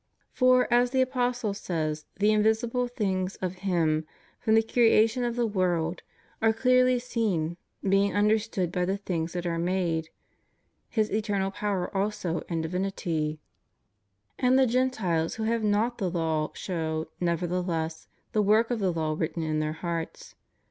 For, as the apostle says, the invisible things of Him, from the creation of the world, are clearly seen, being understood by the things that are made: His eternal power also and divinity;^ and the Gentiles who have not the law show, nevertheless, the work of the law written in their hearts.'